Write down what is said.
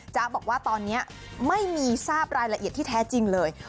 บอกว่าตอนนี้ไม่มีทราบรายละเอียดที่แท้จริงเลย